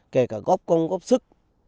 kể cả góp công góp sức